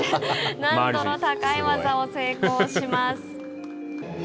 難度の高い技を成功します。